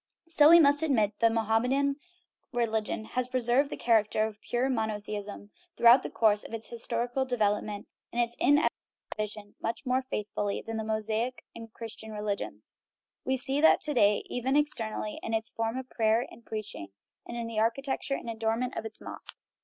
Still, we must admit that the Mohammedan religion has preserved the character of pure monothe ism throughout the course of its historical development and its inevitable division much more faithfully than the Mosaic and Christian religions. We see that to day, even externally, in its forms of prayer and preach ing, and in the architecture and adornment of its mosques.